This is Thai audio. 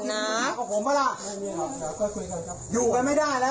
ทำของก่อนกับผมอ่ะอยู่กันไม่ได้แล้วแบบเนี้ย